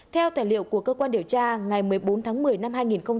theo tài liệu của cơ quan điều tra ngày một mươi bốn tháng một mươi năm hai nghìn một mươi chín